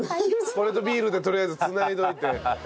これとビールでとりあえず繋いどいて。